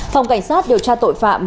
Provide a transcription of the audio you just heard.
phòng cảnh sát điều tra tội phạm